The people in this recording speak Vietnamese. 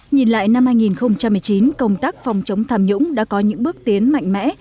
nhìn lại năm hai nghìn một mươi chín công tác phòng chống tham nhũng đã có những bước tiến mạnh mẽ